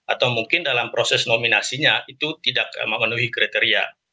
atau mungkin dalam proses nominasinya itu tidak memenuhi kriteria